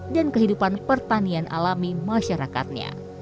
dan kehidupan pertanian alami masyarakatnya